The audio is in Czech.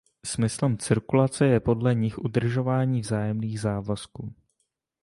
Smyslem cirkulace je podle nich udržování vzájemných závazků.